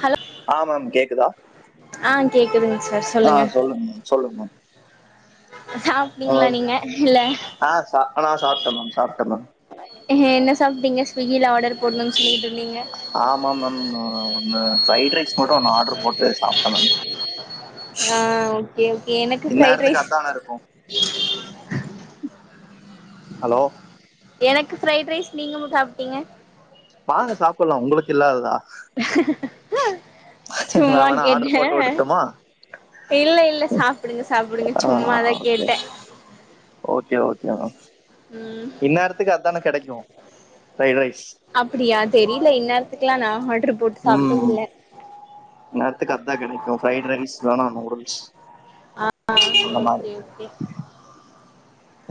Hello ஆ ma'am கேக்குதா ஆ கேக்குதுங் சார் ஆ சொல்லுங் மேம் சொல்லுங் மேம் சாப் ஹலோ ஆ சா நா சாப்ட்டே மேம் சாப்ட்டே மேம் ஏ என்ன சாப்டீங்க ஸ்விகில ஆடர் போட்னுன்னு சொல்லிட்டு இருந்தீங்க ஆமா மேம் ஒன்னு ஃப்ரைடு ரைஸ் மட்டு ஒன்னு ஆட்ரு போட்டு சாப்ட்டே மேம் ஆ ஓகே ஓகே எனக்கு ஃப்ரைட் இந்நேரத்துக்கு ரைஸ் அதானே இருக்கு ஹலோ எனக்கு ஃப்ரைட் ரைஸ் நீங்க மட்டு சாப்டீங்க வாங்க சாப்புல்லா உங்ளுக்கு இல்லாததா நான் சும்மா வேணா ஆர்டர் கேட்டே போட்டு விடட்டுமா இல்ல இல்ல சாப்டுங்க சாப்டுங்க ஆ சும்மா தா ஓகே கேட்டே ஓகே ஓகே மேம் ம் இந்நேரத்துக்கு அதானே கெடைக்கு ஃப்ரைட் ரைஸ் அப்டியா தெரில இந் நேரத்துக்லா நா ஆட்ரு போட்டு சாப்ட்டதில்ல இந்நேரத்துக்கு அதா கெடைக்கு ஃப்ரைட் ரைஸ் வேணா நூடுல்ஸ் ஆ அந்த மாரி ஓகே ஓகே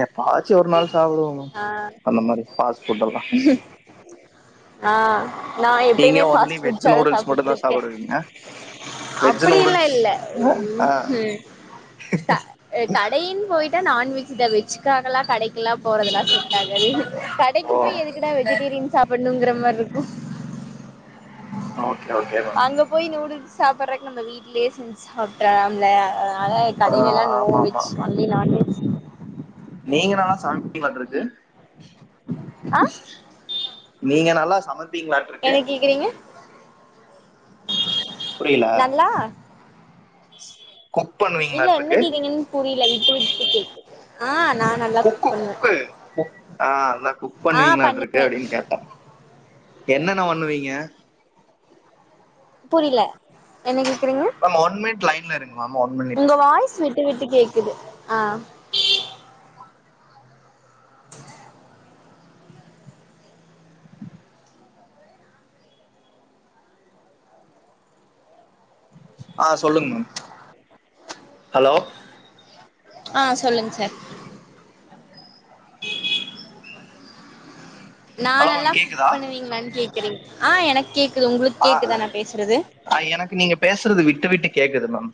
எப்பாச்சு ஒரு நாள் சாப்டுவோங்க ஆ அந்த மாரி ஃபாஸ்ஃபுட்டேல்லா ஆ நா நீங்க எப்பையுமே ஒன்லி ஃபாஸ்ஃபுட் வெஜ் தா நூடுல்ஸ் மட்டும் சாப்ட்டுட்டு தான் இருக்கே சாப்பிடுவீங்க வெஜ் அப்டியெல்லா நூடுல்ஸ் இல்ல ஆ க கடயின் போயி ட்டா நான்வெஜ் தா வெஜ்க்காகல்லா கடைக் க்ல்லா போறதெல்லா செட்டாகாது கடைக்கு ஓ போய் எதுக்குடா வெஜிடேரியன் சாப்புட்ணுங்கிற மார்ருக்கு ஓகே ஓகே டா அங்க போய் நூடுல்ஸ் சாப்புறக்கு நம்ம வீட்லயே செஞ்சு சாப்டறாம்ல அதா ஆ கடைலல்லா நோ ஆமா ஆமா வெஜ் ஒன்லி நான்வெஜ் நீங்க நல்லா சமைப்பிங்க்லாட்ருக்கு ஆ நீங்க நல்லா சமப் என்ன கேக்குறீங்க புரில நல்லா குக் பண்ணுவீங்ளாட்ருக்கு புரில விட்டு விட்டு கேக்கு குக்கு குக்கு ஆ அதா குக் ஆ பண்ணுவீங்களாட்ருக்கு பண்ணுவே அப்டின் கேட்டே என்னென்ன பண்ணுவீங்க புரில என்ன கேக்குறீங்க மேம் ஒன் மினிட் லைன்ல இருங்க மேம் ஒன் உங்க மினிட் வாய்ஸ் விட்டு விட்டு கேக்குது ஆ ஆ சொல்லுங்க மேம் ஹலோ ஆ சொல்லுங்க சார் நா ஹலோ நல்லா மேம் குக் கேக்குதா பண்ணுவீங்ளான் கேக்குறீங் ஆ எனக் கேக்குது உங்ளுக் ஆ கேக்குதா நா பேசுறது ஆ எனக்கு நீங்க பேசுறது விட்டு விட்டு கேக்குது மேம்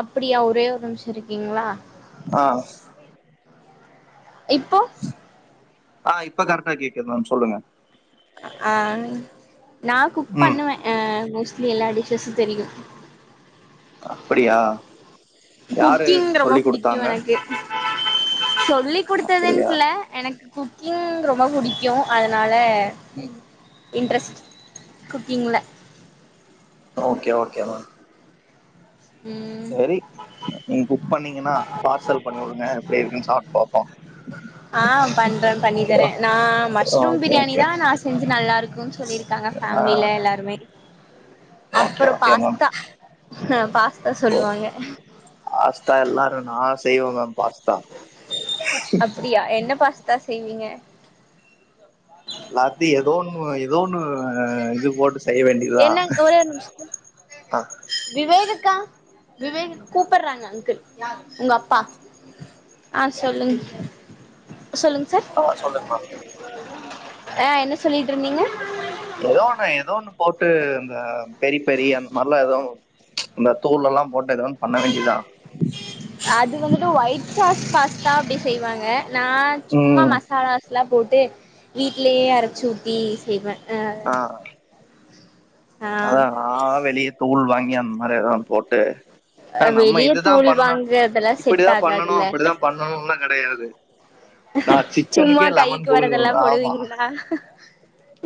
அப்டியா ஒரே ஒரு நிம்ஷோ இருக்கீங்ளா ஆ இப்போ ஆ இப்ப கரெக்டா கேக்குது மேம் சொல்லுங்க ஆ நா குக் ம் பண்ணுவே அ மோஸ்ட்லி எல்லா டிஸ்சஸ்சு தெரியு அப்பிடியா குக்கிங் ரொம்ப புடிக்கு எனக்கு சொல்லி் அப்படியா குடுத்ததுன்ட் இல்ல எனக்கு குக்கிங் ரொம்ப புடிக்கு அதனால ம் இன்ட்ரெஸ்ட் குக்கிங்ல ஓகே ஓகேமா ம் செரி நீங் குக் பண்ணீங்கன்னா பார்சல் பண்ணிவுடுங்க எப்டி இருக்குன் சாப்ட் பாப் ஆ பண்றே பண்ணி தரே நா மஸ்ரூம் ஓகே பிரியாணி ஓகே தா நா செஞ்சு நல்லாருக்குன் சொல்லிருக்காங்க ஃபேமிலில எல்லாருமே ஓகே அப்பறோ ஓகே மேம் பாஸ்தா ஆ பாஸ்தா சொல்லுவாங்க பாஸ்தா எல்லாரு நா செய்வே மேம் பாஸ்தா அ என்ன பாஸ் தா செய்வீங்க லாத்தி எதோ ஒன்னு எதோ ஒன்னு ஆ இது போட்டு செய்ய வேண்டியதா என்ன ஒரே ஒரு நிமிஷோ அ விவேகக்கா விவேக் கூப்பிடுறாங்க அங்கிள் உங்க அப்பா ஆ சொல்லுங் சொல்லுங் ஓ சொல்லுங் மேம் ஆ என்ன சொல்லிட்ருந்தீங்க எதோ ஒன்னு எதோ ஒன்னு போட்டு இந்த பெரி பெரி அந்த மாரிலா எதோ இந்த தூளல்லா போட்டு எதோ ஒன் பண்ண வேண்டியதா அது வந்துட்டு ஒய்ட் சாஸ் பாஸ்தா அப்டி செய்வாங்க நா சும்மா ம் மசாலாஸ்லா போட்டு வீட்லயே அரச் ஊத்தி செய்வே ஆ ஆ ஆ அதா நா வெளிய தூள் வாங்கி அந்த மார எதோ ஒன்னு போட்டு ஆ நம்ம வெளிய இதுதா தூள் பண்ணு வாங்கறதெல்லா செட் இப்பிடிதா பண்ணனு ஆகாதுல்ல அப்பிடிதா பண்ணனுன்லா கெடையாது சும்மா கைக்கு வரதெல்லா ஆமா போடுவீங்ளா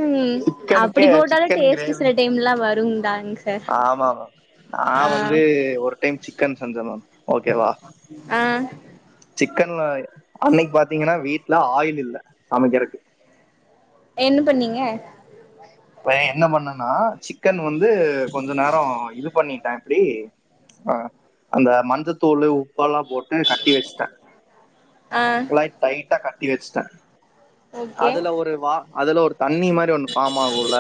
ம் அப்படி சிக்கனுக்கே போட்டாலு சிக்கன் டேஸ்ட்டு கிரேவி சில டைம்ல்லா வருங்தாங் சார் ஆமா மேம் நா ஆ வந்து ஒரு டைம் சிக்கன் செஞ்ச மேம் ஓகேவா ஆ சிக்கன்னு அன்னைக் பாத்தீங்கனா வீட்ல ஆயில் இல்ல சமைக்கிறக்கு என்ன பண்ணீங்க அப்ப என்ன பண்ணனா சிக்கன் வந்து கொஞ்ச நேரோ இது பண்ணி ட்ட இப்டி ஆ அந்த மஞ்சத்தூளு, உப்பெல்லா போட்டு கட்டி வெஸ்ட்டே ஆ எல்லா டைட்டா கட்டி வெச்ட்டே ஓகே அதுல ஒரு வா அதுல ஒரு தண்ணி மாரி ஒன்னு ஃபாம் ஆகுல்ல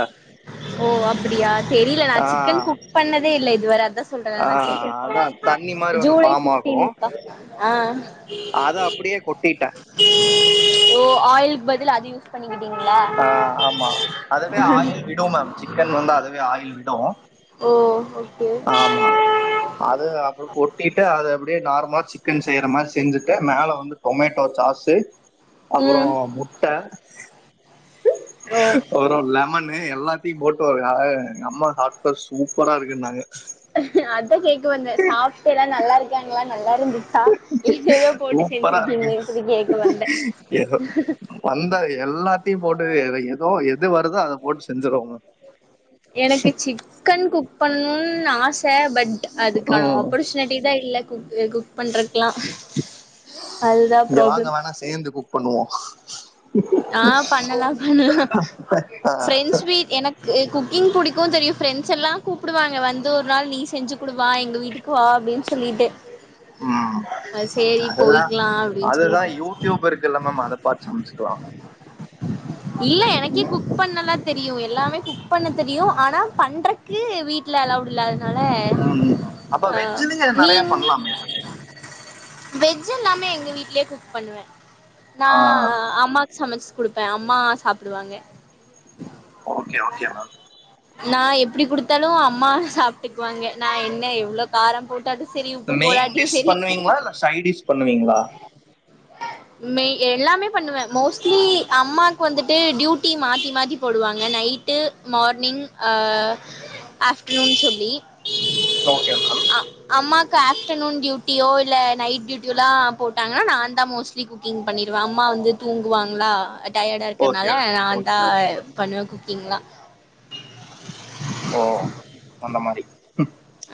ஓ அப்பிடியா தெரில நா சிக்கன் ஆஹ் குக் பண்ணதே இல்ல இதுவர அதா சொல்றே நா ஆஹ் சிக்கன் அதான் தண்ணி மாதிரி ஒண்ணு ஃபார்ம் ஆகும் அத அப்பிடியே கொட்டிட்டே ஓ ஆயில்க் பதிலா அத யூஸ் பண்ணிக்கிட்டீங்ளா ஆ ஆமா அதுவே ஆயில் விடு மேம் சிக்கன் வந்து அதுவே ஆயில் விடு ஓ ஓ ஆமா அது அப்பறோ கொட்டிட்டு அது அப் டியே நார்மலா சிக்கன் செய்யற மாரி செஞ்சுட்டு மேல வந்து டொமேட்டோ சாஸு அப்புற ம் முட்ட ஓ அப்புற லெமன்னு எல்லாத்தையு போட்டு [unintelligible] ஆ எங்க அம்மா சாப்ட சூப்பரா இருக்குன்னாங்க அதான் கேக்க வந்த சாப்டு எல்லா நல்லாருக்காங்களா நல்லாருந்து சா ஏதே ஏதோ போட்டு சூப்பரா இருக்கு செஞ்சிருக்கிங்களே சொல்லி கேக்க வந்த ஏதோ வந்த எல்லாத்தையு போட்டு ஏதோ எது வருதோ அத போட்டு செஞ்சருவாங்க எனக்கு சிக்கன் குக் பண்ணணுனு ஆச பட் அதுக்கான ம் ஆப்பர்ச்சுன் அப்டிதா இல்ல குக் குக் பண்றக்கலா அதுதா இங்க வாங்க ப்ராப்ளம் வேணா சேர்ந்து குக் பண்ணுவோ ஆ பண்ணலா பண்ணலா ஃப்ரெண்ட்ஸ் வீட் எனக்கு குக்கிங் பிடிக்கும் தெரியும் ஃப்ரெண்ட்ஸ் எல்லாம் கூப்பிடுவாங்க வந்து ஒரு நாள் நீ செஞ்சு கொடுவா எங்கள் வீட்டுக்கு வா அப்டின்னு சொல்லிட்டு ம் சேரி அதெல்லா போய்க்கலா அப்டின்னு அதுதா சொல்லிட்டு யூ ட்யூப் இருக்குல்ல மேம் அத பாத் சமைச்சுக்கலா இல்ல எனக்கே குக் பண்ணலா தெரியு எல்லாமே குக் பண்ண தெரியு ஆனா பண்றதுக்கு வீட்ல அலவுட் இல்ல ம் அப்ப வெஜ்ஜுலயே நெறைய மீன் பண்ணலாமே வெஜ் எல்லாமே எங்க வீட்லயே குக் பண்ணுவே நா ஆ அம்மாக் சமைச்சு குடுப்பே அம்மா சாப்டுவாங்க ஓகே ஓகே மேம் நா எப்படி குடுத்தாலு அம்மா சாப்ட்டுக்குவாங்க நா என்ன எவ்ளோ காரம் போட்டாலு செரி உப்பு மெயின் போடாட்டியு டிஷ் செரி பண்ணுவீங்களா இல்ல சைட் டிஷ் பண்ணுவீங்களா மெய் எல்லாமே பண்ணுவே மோஸ்ட்லி அம்மா [inaudible] வந்துட்டு டியூட்டி மாத்தி மாத்தி போடுவாங்க நைட்டு மார்னிங் ஆ ஆஃப்டெர்னூன் சொல்லி ஓகே மேம் அம்மாக்கு ஆஃப்டெர்னூன் டியூட்டியோ இல்ல நைட் டியூட்டியோல்லா போட்டாங்கன்னா நா தா மோஸ் குக்கிங் பண்ணிருவே அம்மா வந்து தூங்குவாங்களா டயர்டா இருக்கனால ஓகே நான்ந்தா ஓகே ஓகே மேம் பண்ணுவே குக்கிங்லா ஓ அந்த மாரி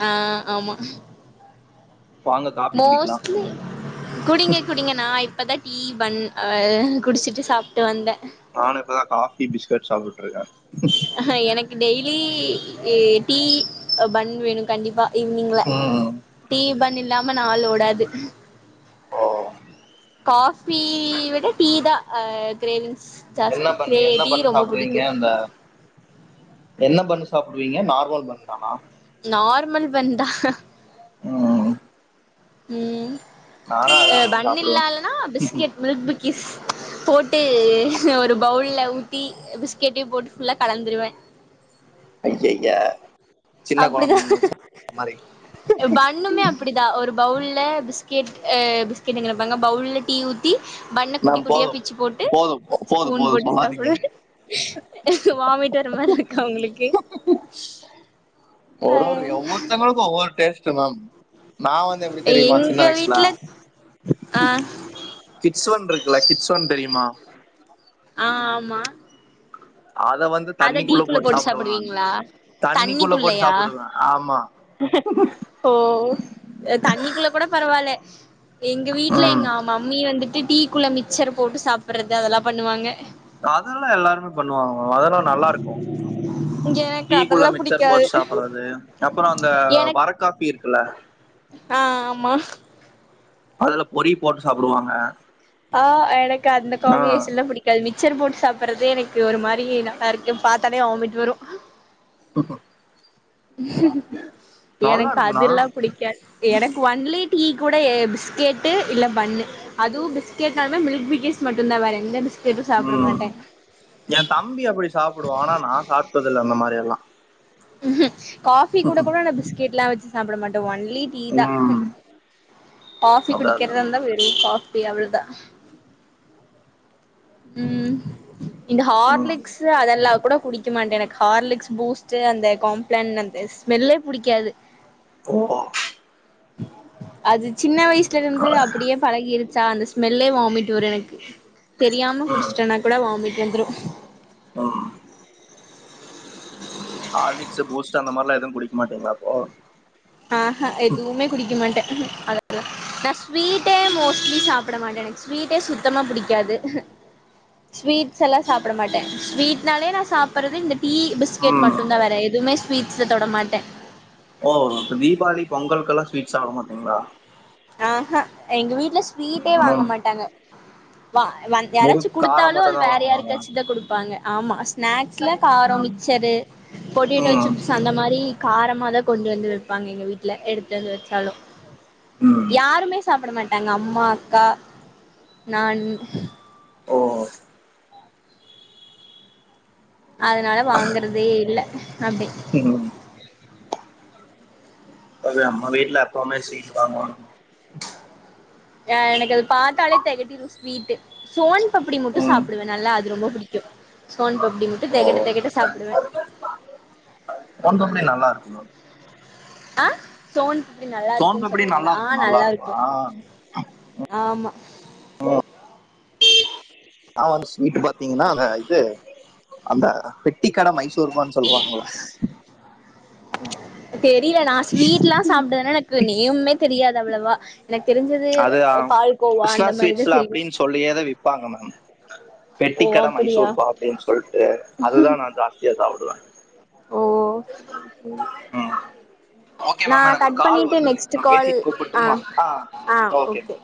ஆ ஆமா வாங்க காஃபி குடிக்கலாம் மோஸ்டிலி குடிங்க குடிங்க நா இப்பதா டீ பண் ஆ குடிச்சிட்டு சாப்ட்டு வந்த நானு இப்பதா காபி பிஸ்கட் சாப்ட்டுருக்க ஆ எனக்கு டெய்லி இ டீ பண் வேணு கண்டிப்பா ஈவினிங்ல ம் டி பண் இல்லாம நாள் ஓடாது ஓ காபி விட டீ தா ஆ க்ரேவிங்ஸ் என்ன பன்னு என்ன பன்னு சாப்பிடுவீங்க அந்த என்ன பன்னு சாப்பிடுவீங்க நார்மல் பன் தானா நார்மல் பன் தா ம் ம் நானா அதான் மேம் பன் சாப்பிடுவேன் இல்லால்லனா பிஸ்கெட் மில்க் பிக் ஸ் போட்டு ஒரு பவுல ஊத்தி பிஸ் கெட்டியு போட்டு ஃபுல்ல கலந்துடுவ அய்யய்ய சின்ன குழந்தைங்கே மாரி இண்ணுமே அப்பிடிதா ஒரு பவுல்ல பிஸ்கெட் பிஸ்கெட்டுங்குறே பாருங்கே பவுல்ல டீ ஊத் டீ பன்ன குட்டி மேம் குட்டியா போதும் பிச்சி போட்டு போதும் போதும் ஸ்பூன் போதும் போட்டு சொல்லாதீங்க சாப்பிடுவே வாமிட் வர மாரி இருக்கா உங்களுக்கு ஒரு ஒரு ஒவ்வொருத்தவங்களுக்கு ஒவ்வொரு டேஸ்ட் மேம் நா வந்து எப்டி தெரியுமா சின்ன எங்க வயசுல வீட்ல ஆ கிட்ஸ் ஃபன் இருக்குல்ல கிட்ஸ் ஃபன் தெரியுமா ஆ ஆமா அத வந்து அத தண்ணிக்குள்ள டீக்குள்ள போட்டு சாப்டுவே நானு சாப்டுவீங்களா தண்ணிக்குள்ளே போட்டு தண்ணிக்குள்ளயா சாப்பிடுவே ஆமா ஓ தண்ணிக்குள்ள கூட பரவாலே எங்க வீட்லே ம் எங்க அம் மம்மி வந்துட்டு டீக்குள்ளே மிக்சர் போட்டு சாப்பிடுறது அதுல்லா பண்ணுவாங்கே அதெல்லா எல்லாருமே பண்ணுவாங்கே அதெல்லாம் நல்லாருக்கும் எனக்கு டீக்குள்ள அதெல்லா மிச்சர் போட்டு புடிக்காது சாப்பிடுறது அப்பறோ அந்த எனக்கு வரக்காப்பி இருக்குல்ல ஆ ஆமா அதுல பொறி போட்டு சாப்டுவாங்க ஆ எனக்கு அந்த காம்பினேஷன்லா பிடிக் காது மிக்சர் போட்டு சாப்படுறதே எனக்கு ஒரு மாரி நல்லா இருக்கு பார்த்தாலே வாமிட் வரும் [inaudible] நல்லா எனக்கு இருக்கும் நல்லா அதெல்லாம் புடிக்காது எனக்கு ஒன்லி டீ கூட பிஸ்கெட்டு இல்ல பன்னு அதுவு பிஸ்கேட்னாலே மில்க் பிகிஸ் மட்டும்தா வேற எந்த பிஸ்க் ம் என் தம்பி அப்டி சாப்டுவா ஆனா நா சாப்ட்டது இல்ல அந்த மாரி எல்லா ம் காபி கூட கூட பிஸ்கெட் எல்லா வச்சு சாப்பிட மாட்டே ஒன்லி டீ தா ம் காபி அதான் குடிக்கிறதா அதான். இருந்தா வெறும் காபி அவ்ளோதா ம் இந்த ம் ஹார்லிக்ஸ் அதெல்லா கூட குடி குடிக்க மாட்டே எனக்கு ஹார்லிக்ஸ் பூஸ்ட் அந்த காம்ப்ளன் அந்த ஸ்மெல்லே பிடிக்காது ஓ அது சின்ன வயசுல இருந்து அப்டியே பழகிருச்சா அந்த ஸ்மெல்லே வாமிட் வரும் எனக்கு தெரியாம ம் குடிச்சட்டேன்னா கூட வாமிட் வந்துரும் ஆ ஹார்லிக்ஸ் பூஸ்ட்டு அந்த மாரிலாம் எதுவும் குடிக்க மாட்டீங்களா அப்போ ஆஹா எதுவுமே குடிக்க மாட்டேன் அத நான் ஸ்வீட்டே மோஸ்ட்லி சாப்பிட மாட்டேன் ஸ்வீட்டே சுத்தமா புடிக்காது ஸ்வீட்ஸ் எல்லாம் சாப்பிட மாட்டேன் ஸ்வீட்னாலே நான் சாப்றது இந்த டீ‌ பி பிஸ்கேட் ம் மட்டும்தான் வேற எதுவுமே ஸ்வீஸ்ல தொடமாட்டேன் ஓ அப்போ தீபாவளி பொங்கலுகெல்லாம் ஸ்வீ்ட்ஸ் சாப்ட மாட்டீங்களா ஆஹா எங்க வீட்ல ஸ்வீட்டே வாங்க ம் மாட்டாங்க வா வ யாராச்சும் முறுக்கு காரம் குடுத்தாலும் அத மட்டும் தான் வேற வாங்குவாங்க யாருக்காச்சும் தான் குடுப்பாங்க ஆமா ஸ்நாக்ஸ்ல காரம் மிச்சரு பொட்டேட்டோ ம் சிப்ஸ் அந்த மாரி காரமா தான் கொண்டு வந்து வைப்பாங்க எங்க வீட்ல எடுத்துட்டு வந்து வச்சாலும் ம் யாருமே சாப்பிட மாட்டாங்க அம்மா அக்கா நான் ஓ அதனால வாங்கறதே இல்ல அப்டி இல்லங் தெர்ல நம்ம வீட்ல அப்பா அம்மா ஸ்வீட்டு வாங்குவாங்க ஆ எனக்கு அது பாத்தாலே தெகட்டிடும் ஸ்வீட்டு சோன் பப்படி மட்டும் ம் சாப்டுவ நல்லா அது ரொம்ப புடிக் கும் சோன் பப்டி மட்டும் ஓ தெகட்ட தெகட்ட சாப்புடுவ சோன் பப்டி நல்லா இருக்கும் தா ஆ சோன் பப்டி நல்லா இருக்கும் சோன்பப்டி சொல்றீங்ளா நல்லா ஆ இருக்கு நல்லா இருக்கு இருக்கும் ஆ ஆமா ஆ நா வந்து ஸ்வீட்டு பாத்தீங்கன்னா அந்த இது அந்தா பெட் ட்டி கட மைசூருபாக் சொல்லுவாங்ளா தெரில நா ஸ்வீட்லா சாப்டுவ ஆனா எனக்கு நேம்மே தெரியாது அவ்ளவா எனக்கு தெரிஞ்சது அது பால் கோவா அந்த மாரி தா தெரியும் சொல்லியே அத விப்பாங்க மேம் ஓ பெட்டிக்கட அப்படியா மைசூர்பாக்குன் சொல்ட்டு அதுதா நா ஜாஸ் த்தியா சாப்டுவ ஓ செரி செரி ம் ஓகே நா மேம் எனக்கு ஒரு கட் கால் பண்ணிட்டு வருது உங்களுக்கு நெக்ஸ்ட்டு நா கால் பேசிட்டு ஆ கூப்புட்டுமா ஆ ஓகே